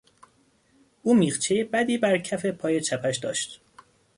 او میخچهی بدی بر کف پای چپش داشت.